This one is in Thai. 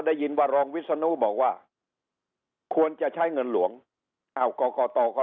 ได้ยินว่ารองวิศนุบอกว่าควรจะใช้เงินหลวงอ้าวกรกตก็